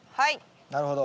なるほど。